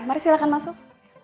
mari silahkan masuk